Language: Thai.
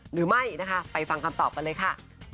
หรือไม่นะคะไปฟังคำตอบกันเลยค่ะ